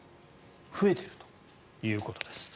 増えているということです。